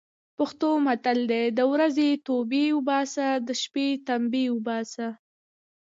پښتو متل: د ورځې توبې اوباسي، د شپې تمبې اوباسي.